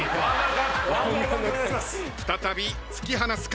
再び突き放すか？